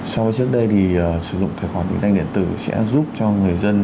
so với trước đây thì sử dụng tài khoản định danh điện tử sẽ giúp cho người dân